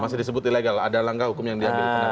masih disebut ilegal ada langkah hukum yang diambil